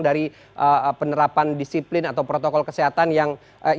dari penerapan disiplin atau protokol kesehatan yang